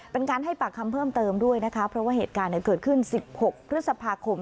เป็นการให้ปากคำเพิ่มเติมด้วยนะคะเพราะว่าเหตุการณ์เกิดขึ้น๑๖พฤษภาคม